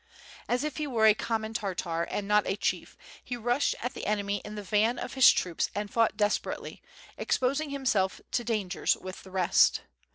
As if he were a commooi Tartar and not a chief he rushed at the enemy in the van of his troops and fought desperately, exposing himself to dangers with the rest.